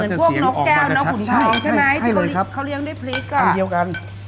เหมือนพวกน้องแก้วหุ่นทองใช่ไหมเขาเลี้ยงด้วยพริกอ่ะ